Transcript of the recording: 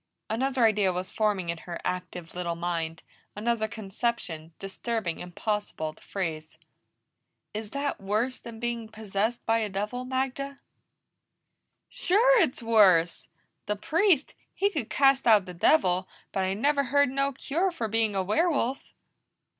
Another idea was forming in her active little mind, another conception, disturbing, impossible to phrase. "Is that worse than being possessed by a devil, Magda?" "Sure it's worse! The Priest, he could cast out the devil, but I never heard no cure for being a werewolf."